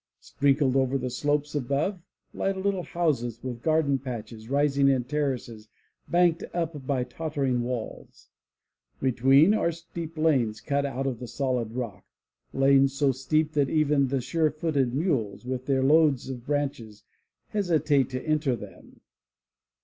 Sprinkled over the slopes above, lie little houses with garden patches rising in terraces banked up by tottering walls. Between, are steep lanes cut out of the solid rock, lanes so steep that even the sure footed mules, with their loads of branches, hesitate to enter them.